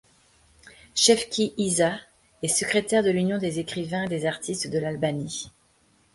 Shefki Hysa est secrétaire de l’Union des Écrivains et des Artistes de l’Albanie.